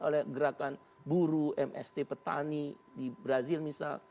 oleh gerakan buruh mst petani di brazil misal